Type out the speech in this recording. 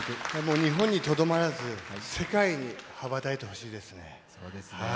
日本にとどまらず世界に羽ばたいてほしいですね。